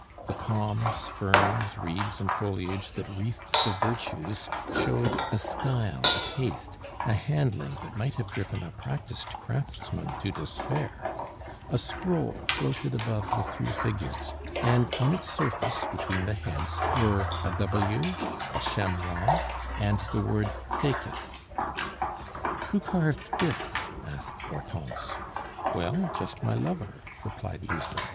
The palms, ferns, reeds, and foliage that wreathed the Virtues showed a style, a taste, a handling that might have driven a practised craftsman to despair; a scroll floated above the three figures; and on its surface, between the heads, were a W, a chamois, and the word fecit. "Who carved this?" asked Hortense. "Well, just my lover," replied Lisbeth.